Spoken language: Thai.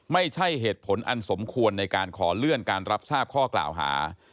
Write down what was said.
ไม่ใช่เหตุผลอันสมควรในการขอเลื่อนการรับทราบข้อกล่าวหา